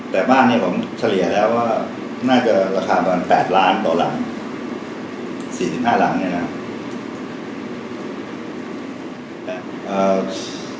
แต่บ้านนี้ผมเฉลี่ยแล้วก็น่าจะราคาประมาณ๘ล้านต่อหลัง๔๕หลังเนี่ยนะครับ